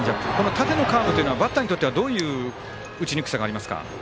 縦のカーブはバッターにとってはどういう打ちにくさがありますか。